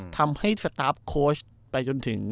ทำให้สตาร์ฟโคชไปจนถึง